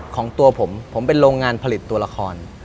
ของตัวผมผมเป็นโรงงานผลิตตัวละคร